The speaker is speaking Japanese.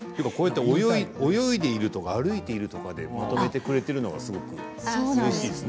泳いでいるとか歩いているとかでまとめてくれているのがうれしいですね。